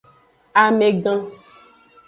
Amegan.